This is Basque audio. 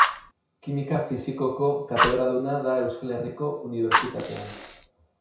Kimika Fisikoko katedraduna da Euskal Herriko Unibertsitatean.